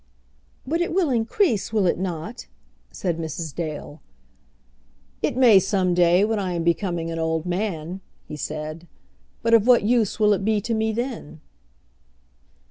"But it will increase, will it not?" said Mrs. Dale. "It may some day, when I am becoming an old man," he said. "But of what use will it be to me then?"